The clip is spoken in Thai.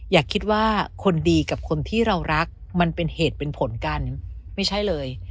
อย่าคิดว่าคนดีกับคนที่เรารักมันเป็นเหตุเป็นผลกันไม่ใช่เลย